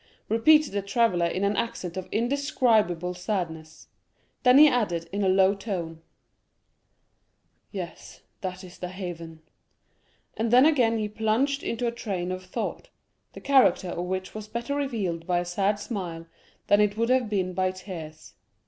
repeated the traveller in an accent of indescribable sadness. Then he added, in a low tone, "Yes; that is the haven." And then he again plunged into a train of thought, the character of which was better revealed by a sad smile, than it would have been by tears.